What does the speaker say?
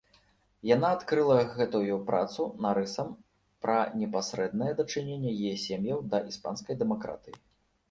Яна адкрыла гэтую працу нарысам пра непасрэднае дачыненне яе сем'яў да іспанскай дэмакратыі.